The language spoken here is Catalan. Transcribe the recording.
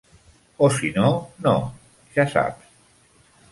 O si no, no, ja saps.